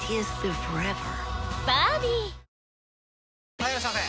・はいいらっしゃいませ！